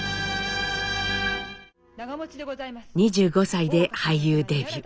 ２５歳で俳優デビュー。